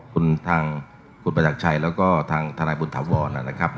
คุณทางคุณประจักรชัยแล้วก็ทางทนายบุญถาวรนะครับ